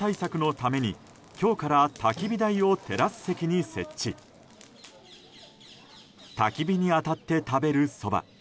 たき火に当たって食べるそば。